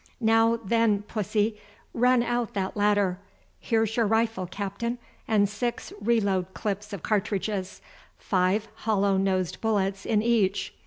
Now then, Pussy, run out that ladder. Here's your rifle, Captain, and six reload clips of cartridges, five hollow nosed bullets in each.